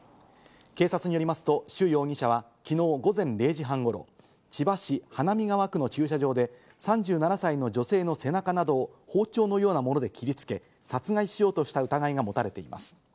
警察によりますと、シュ容疑者はきのう午前０時半ごろ、千葉市花見川区の駐車場で、３７歳の女性の背中などを包丁のようなもので切りつけ、殺害しようとした疑いが持たれています。